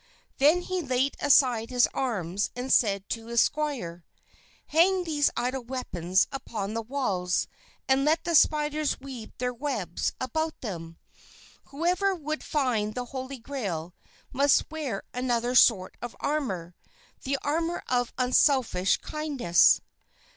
Then he laid aside his arms and said to his squire, "Hang these idle weapons upon the walls and let the spiders weave their webs about them. Whoever would find the Holy Grail must wear another sort of armor the armor of unselfish kindness."